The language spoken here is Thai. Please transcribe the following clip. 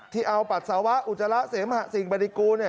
ที่เอาปัสสาวะอุจจาระเสมหะสิ่งปฏิกูล